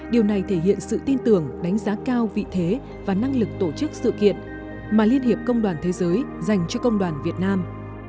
điều này thể hiện sự tin tưởng đánh giá cao vị thế và năng lực tổ chức sự kiện mà liên hiệp công đoàn thế giới dành cho công đoàn việt nam